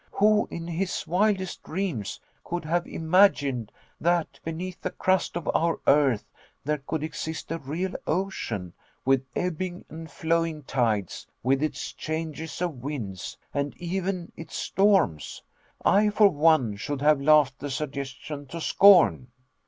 Who in his wildest dreams could have imagined that, beneath the crust of our earth, there could exist a real ocean, with ebbing and flowing tides, with its changes of winds, and even its storms! I for one should have laughed the suggestion to scorn."